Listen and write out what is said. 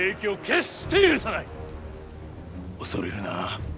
恐れるな。